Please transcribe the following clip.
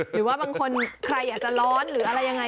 หรือว่าบางคนใครอยากจะร้อนหรืออะไรยังไง